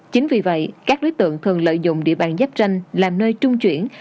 chính vì vậy các đối tượng thường lợi dụng địa bàn giáp ranh làm nơi trung chuyển